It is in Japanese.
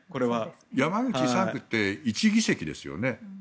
山口３区って１議席ですよね。